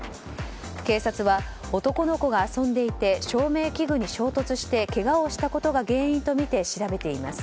警察は、男の子が遊んでいて照明器具に衝突してけがをしたことが原因とみて調べています。